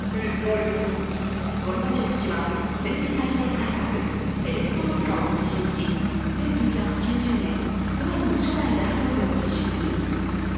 ゴルバチョフ氏は、政治体制改革ペレストロイカを推進し、１９９０年、ソ連の初代大統領に就任。